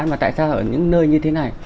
mà tại sao ở những nơi như thế này